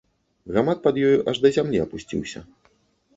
Гамак пад ёю аж да зямлі апусціўся.